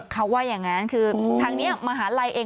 เขาว่าอย่างนั้นคือทางนี้มหาลัยเอง